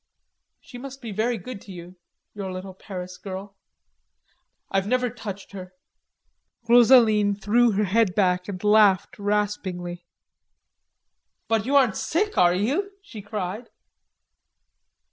"She must be very good to you, your little Paris girl." "I've never touched her." Rosaline threw her head back and laughed raspingly. "But you aren't sick, are you?" she cried.